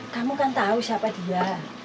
kamu kan tahu siapa dia